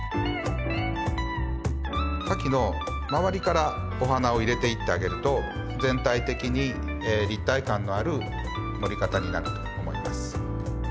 花器の周りからお花を入れていってあげると全体的に立体感のある盛り方になると思います。